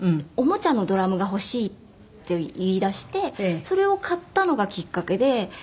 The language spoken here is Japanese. おもちゃのドラムが欲しいって言いだしてそれを買ったのがきっかけで。